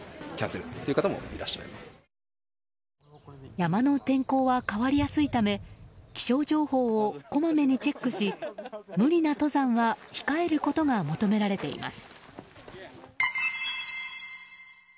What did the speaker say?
山の天候は変わりやすいため気象情報をこまめにチェックし無理な登山は控えることが求められています。